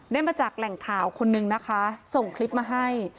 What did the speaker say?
ได้มาจากแหล่งข่าวคนนึงนะคะส่งคลิปมาให้